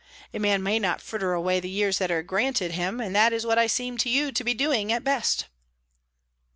A man may not fritter away the years that are granted him; and that is what I seem to you to be doing, at best."